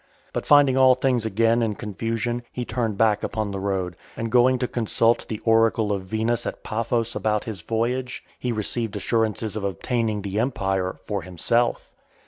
But finding all things again in confusion, he turned back upon the road; and going to consult (467) the oracle of Venus at Paphos about his voyage, he received assurances of obtaining the empire for himself.